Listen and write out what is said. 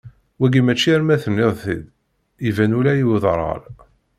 Wagi mačči arma tenniḍ-t-id, iban ula i uderɣal.